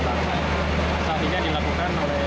saat ini dilakukan oleh pihak pihak yang bisa diangkat seritisasi